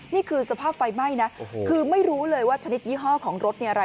นี่คือสภาพไฟไหม้นะคือไม่รู้เลยว่าชนิดยี่ห้อของรถเนี่ยอะไร